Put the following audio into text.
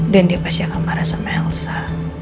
dan dia pasti akan marah sama elsa